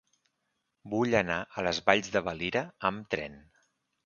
Vull anar a les Valls de Valira amb tren.